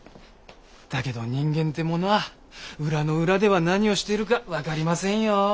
だけど人間ってものは裏の裏では何をしているか分かりませんよ。